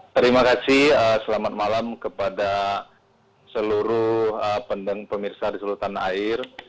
terima kasih selamat malam kepada seluruh pendang pemirsa di sultan air